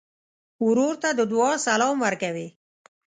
ورور ته د دعا سلام ورکوې.